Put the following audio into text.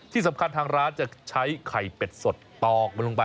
ที่สำคัญทางร้านจะใช้ไข่เป็ดสดตอกมันลงไป